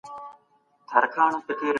پاملرنه په کور کي ډېره وي.